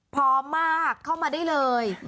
พร้อมมากเข้ามาได้เลย